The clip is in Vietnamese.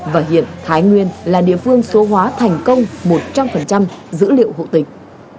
và hiện thái nguyên là địa phương số hóa thành công một trăm linh dữ liệu hộ tịch